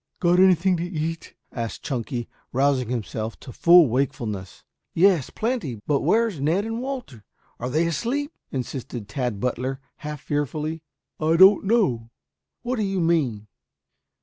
"Got anything to eat?" asked Chunky, rousing himself to full wakefulness. "Yes, plenty. But where's Ned and Walter? Are they asleep?" insisted Tad Butler half fearfully. "I don't know." "What do you mean?"